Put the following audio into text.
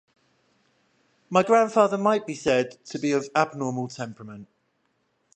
My grandfather might be said to be of abnormal temperament.